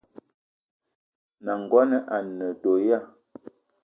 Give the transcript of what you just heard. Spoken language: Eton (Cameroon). N’nagono a ne do ya ?